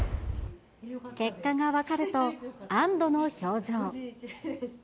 結果が分かると安どの表情。